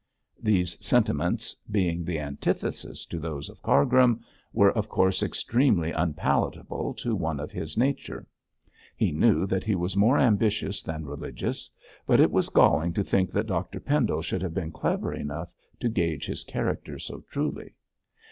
These sentiments, being the antithesis to those of Cargrim, were of course extremely unpalatable to one of his nature. He knew that he was more ambitious than religious; but it was galling to think that Dr Pendle should have been clever enough to gauge his character so truly.